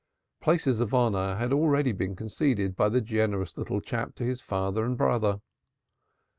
Places of honor had already been conceded by the generous little chap to his father and brother.